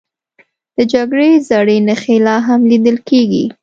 د جګړې زړې نښې لا هم لیدل کېږي.